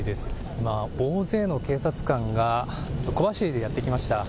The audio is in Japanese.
今、大勢の警察官が小走りでやって来ました。